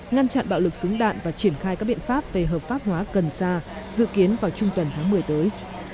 ngăn chặn bạo lực súng đạn và triển khai các biện pháp về hợp pháp hóa gần xa dự kiến vào trung tuần tháng một mươi tới